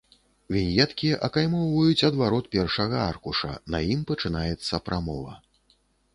Віньеткі акаймоўваюць адварот першага аркуша, на ім пачынаецца прамова.